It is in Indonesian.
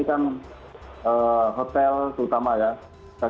adaokedik dan lainnya